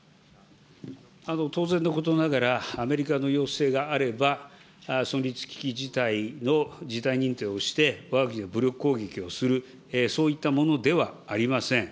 当然のことながら、アメリカの要請があれば、存立危機事態の事態認定をして、わが国は武力攻撃をする、そういったものではありません。